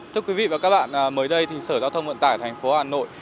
thưa quý vị và các bạn mới đây sở giao thông vận tải tp hà nội